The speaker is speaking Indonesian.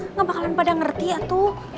nggak bakalan pada ngerti atuh